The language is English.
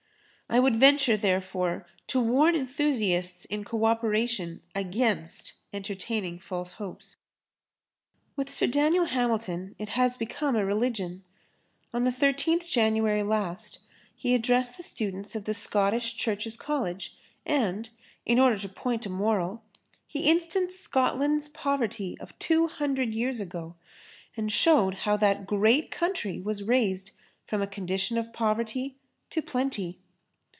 I would venture, therefore, to warn enthusiasts in co operation against entertaining false hopes. With Sir Daniel Hamilton it has become a religion. On the 13th January last, he addressed the[Pg 25] students of the Scottish Churches College and, in order to point a moral, he instanced Scotland's poverty of two hundred years ago and showed how that great country was raised from a condition of poverty to plenty.